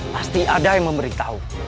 pasti ada yang memberitahu